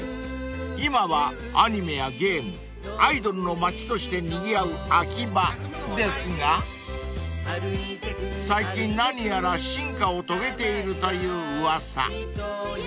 ［今はアニメやゲームアイドルの町としてにぎわうアキバですが最近何やら進化を遂げているという噂］